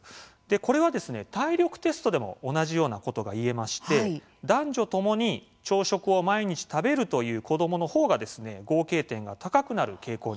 これは体力テストでも同じようなことがいえまして男女ともに朝食を毎日食べるという子どものほうが合計点が高くなる傾向にあります。